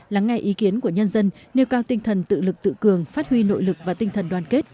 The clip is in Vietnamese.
lắng nghe ý kiến của nhân dân nêu cao tinh thần tự lực tự cường phát huy nội lực và tinh thần đoàn kết